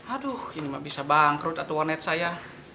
aduh ini mak bisa bangkrut atu wanet saya